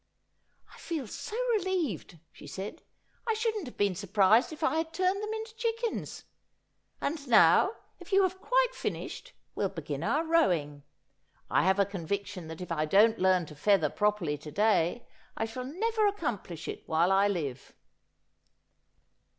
' I feel so relieved,' she said. ' I shouldn't have been sur prised if I had turned them into chickens. And now, if you have quite finished we'll begin our rowing. I have a convic tion that if I don't learn to feather properly to day I shall never accomplish it while I live.'